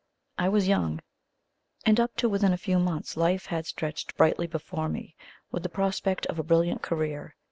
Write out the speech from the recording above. I was young, and up to within a few months life had stretched brightly before me, with the prospect of a brilliant career.